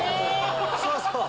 そうそう！